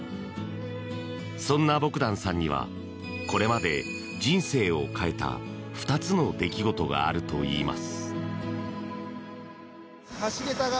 そんなボグダンさんにはこれまで人生を変えた２つの出来事があるといいます。